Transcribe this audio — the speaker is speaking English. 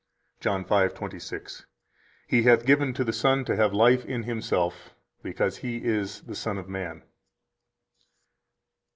118 John 5:26: He hath given to the Son to have life in Himself,… because He is the Son of Man.